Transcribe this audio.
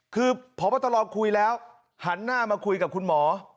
คือพบตรคุยแล้วหันหน้ามาคุยกับคุณหมอ